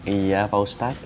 iya pak ustadz